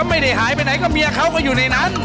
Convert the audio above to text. ไม่ได้หายไปไหนก็เมียเขาก็อยู่ในนั้น